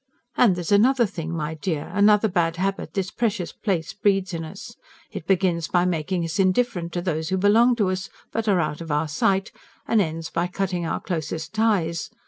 And there's another thing, my dear another bad habit this precious place breeds in us. It begins by making us indifferent to those who belong to us but are out of our sight, and ends by cutting our closest ties.